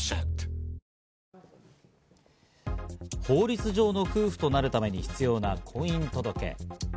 法律上の夫婦となるために必要な婚姻届。